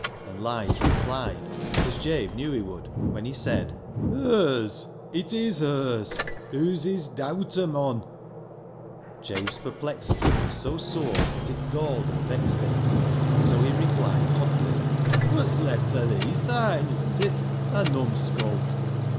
And Lige replied as Jabe knew he would, when he said —" Hers ! It is hers. Hoo's his dowter, mon !" Jabe's perplexity was so sore that it galled and vexed him, and so he replied hotly — "Wot's left ta thee's thine, isn't it, thaa numskull